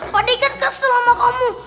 pak ade kan kesel sama kamu